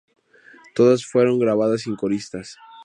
Todas fueron grabadas sin coristas.